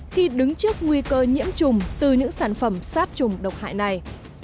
khi đứng trước nguy cơ nhiễm trùng từ những sản phẩm sát trùng độc hại này